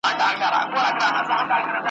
شرنګول د دروازو یې ځنځیرونه `